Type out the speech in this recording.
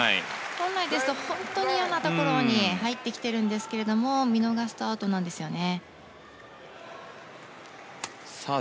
本来ですと嫌なところに入ってきているんですけれども見逃すとアウトなんですよね。